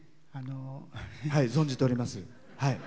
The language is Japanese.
存じております。